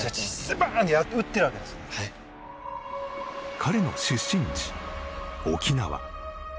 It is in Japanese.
彼の出身地、沖縄。